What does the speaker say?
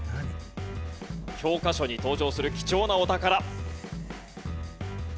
教科書に登場する貴重なお宝。